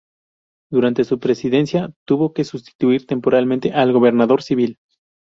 Durante su presidencia tuvo que sustituir temporalmente al Gobernador civil.